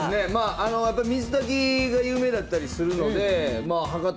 水炊きが有名だったりするので博多